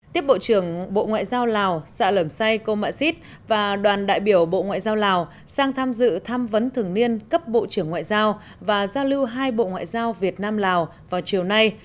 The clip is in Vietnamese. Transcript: tiếp bộ trưởng bộ ngoại giao lào sạ lẩm say cô mạ xít và đoàn đại biểu bộ ngoại giao lào sang tham dự tham vấn thường niên cấp bộ trưởng ngoại giao và giao lưu hai bộ ngoại giao việt nam lào vào chiều nay